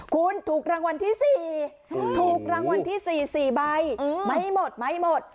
คุณถูกรางวัลที่๔ถูกรางวัลที่๔๔ใบไม่หมดไม่หมด